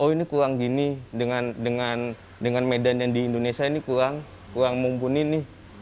oh ini kurang gini dengan medan yang di indonesia ini kurang mumpuni nih